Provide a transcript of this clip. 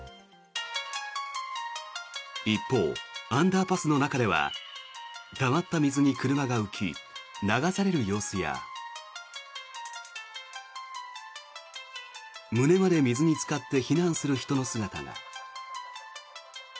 一方、アンダーパスの中ではたまった水に車が浮き流される様子や胸まで水につかって避難する人の姿が。